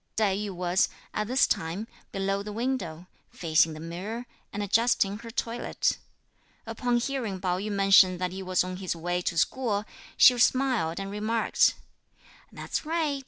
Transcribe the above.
Tai yü was, at this time, below the window, facing the mirror, and adjusting her toilette. Upon hearing Pao yü mention that he was on his way to school, she smiled and remarked, "That's right!